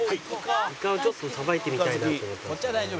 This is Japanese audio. イカをちょっとさばいてみたいなって思ったんですよね。